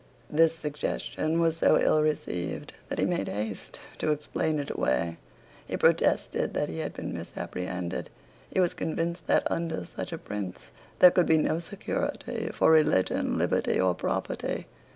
This suggestion was so ill received that he made haste to explain it away. He protested that he had been misapprehended. He was convinced that, under such a prince, there could be no security for religion, liberty, or property.